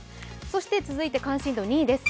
続いて関心度２位です。